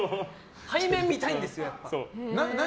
背面みたいんですよ、やっぱ。